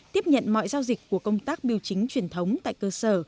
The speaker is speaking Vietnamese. tiếp nhận mọi giao dịch của công tác biểu chính truyền thống tại cơ sở